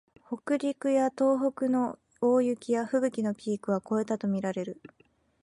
北陸や東北の大雪やふぶきのピークは越えたとみられる